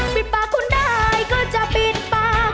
ปิดปากคุณได้ก็จะปิดปาก